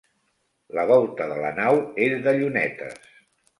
La volta de la nau és de llunetes.